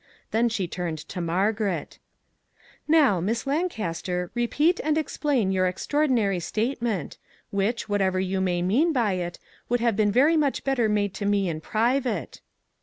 Then she turned to Margaret. 380 THE EXACT TRUTH "" Now, Miss Lancaster, repeat and explain your extraordinary statement, which, what ever you may mean by it, would have been very much better made to me in pri vate."